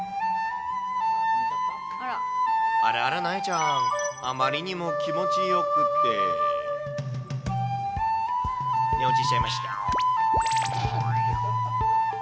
あらあら、なえちゃん、あまりにも気持ちよくて、寝落ちしちゃいました。